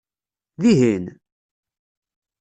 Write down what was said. Dihin?